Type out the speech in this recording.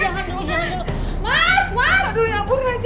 aduh ya ampun raja